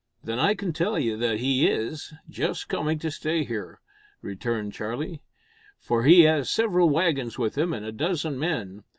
"Then, I can tell you that he is just coming to stay here," returned Charlie, "for he has several waggons with him, and a dozen men.